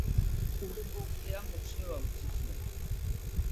Hurrengo urtean, boxeoa utzi zuen.